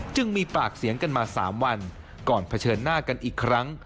จึงมีปากเสียงกันมา๓วันก่อนเผชิญหน้ากันอีกครั้ง